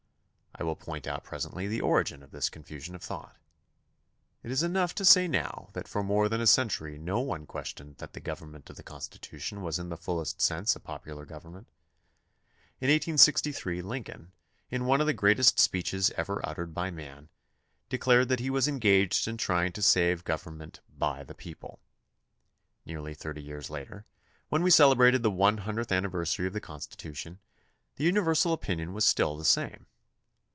I will point out presently the origin of this confusion of thought. It is enough to say now that for more than a century no one ques tioned that the government of the Constitution was in the fullest sense a popular government. In 1863 Lincoln, in one of the greatest speeches ever uttered by man, declared that he was engaged in trying to save government by the people. Nearly thirty years later, when we celebrated the one hundredth anniver sary of the Constitution, the universal opinion was still the same.